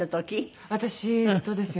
私とですよね？